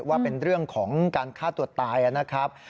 ว่าเป็นเรื่องของการฆ่าตัวตายนะครับ